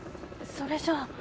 それじゃあ。